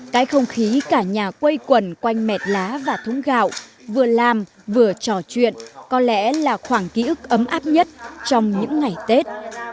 cái không khí cả nhà quây quần quanh mệt lá và thúng gạo vừa làm vừa trò chuyện có lẽ là khoảng ký ức ấm áp nhất trong những ngày tết